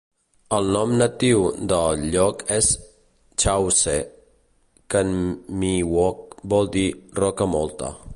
El nom natiu de el lloc és "Chaw'se", que en miwok vol dir "roca molta".